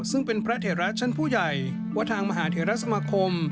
ซึ่งเป็นพระเถระชั้นผู้ใหญ่ว่าทางมหาเทราสมาคม